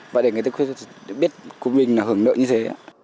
và để người khuyết tật biết của mình là hưởng nợ như thế